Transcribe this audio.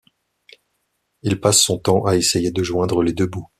Il passe son temps à essayer de joindre les deux bouts.